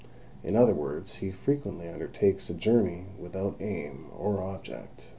In other words, he frequently undertakes a journey without aim or object.